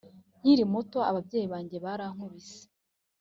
nkiri muto ababyeyi banjye barankubise